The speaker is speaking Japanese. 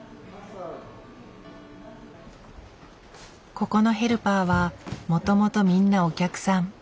ここのヘルパーはもともとみんなお客さん。